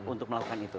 untuk melakukan itu